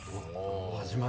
始まる。